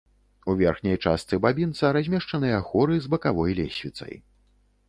У верхняй частцы бабінца размешчаныя хоры з бакавой лесвіцай.